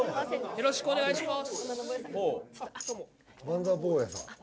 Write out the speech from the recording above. よろしくお願いします